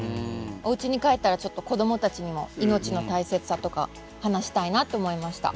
おうちに帰ったらちょっと子供たちにも命の大切さとか話したいなって思いました。